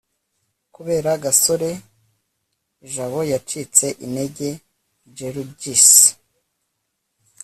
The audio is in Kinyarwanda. kubera gasore, jabo yacitse intege. (xellugis